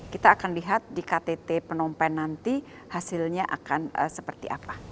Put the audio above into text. kita akan lihat di ktt penompen nanti hasilnya akan seperti apa